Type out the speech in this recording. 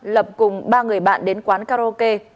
lập cùng ba người bạn đến quán karaoke